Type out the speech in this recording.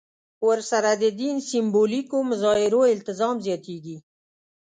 ورسره د دین سېمبولیکو مظاهرو التزام زیاتېږي.